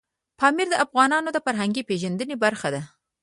پامیر د افغانانو د فرهنګي پیژندنې برخه ده.